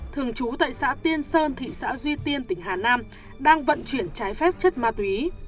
thường trú tại xã tiên sơn thị xã duy tiên tỉnh hà nam đang vận chuyển trái phép chất ma túy